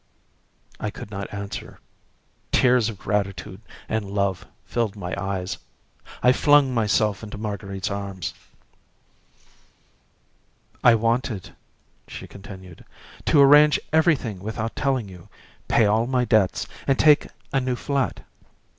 I could not answer. Tears of gratitude and love filled my eyes, and I flung myself into Marguerite's arms. "I wanted," she continued, "to arrange everything without telling you, pay all my debts, and take a new flat.